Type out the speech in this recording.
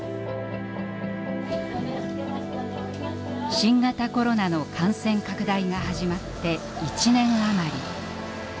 新型コロナの感染拡大が始まって１年余り。